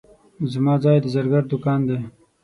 زما ځای د زرګر دوکان دی.